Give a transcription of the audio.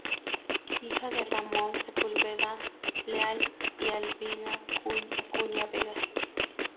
Hijo de Ramón Sepúlveda Leal y Albina Acuña Venegas.